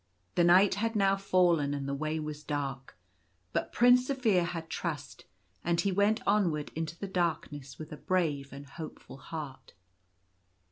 The night had now fallen and the way was dark; but Prince Zaphir had trust, and he went onward into the darkness with a brave and hopeful heart.